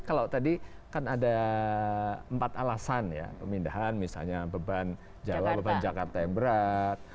kalau tadi kan ada empat alasan ya pemindahan misalnya beban jawa beban jakarta yang berat